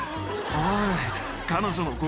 おい。